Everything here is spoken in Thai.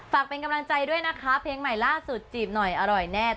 ฝากเป็นกำลังใจด้วยนะคะเพลงใหม่ล่าสุดจีบหน่อยอร่อยแน่